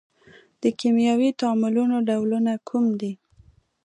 د کیمیاوي تعاملونو ډولونه کوم دي؟